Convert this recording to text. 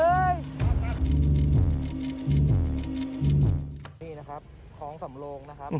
นี่นะครับท้องสำโลงนะครับ